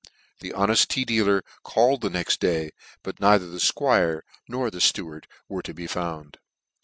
The honeft tea dealer called the nexc day, but neither the 'fquire nor the fteward were to be found.